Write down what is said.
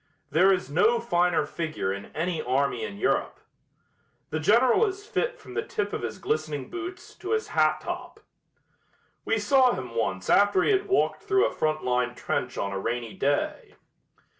There is no finer figure in any army in Europe. The General is fit from the tip of his glistening boots to his hat top. We saw him once after he had walked through a front line trench on a rainy day.